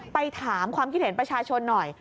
ไปถามความคิดเห็นประชาชนหน่อย